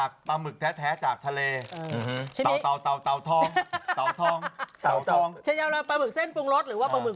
เขาไม่ได้มาบดแล้วใส่แป้งแล้วมาทำเป็นตัวปะหมึก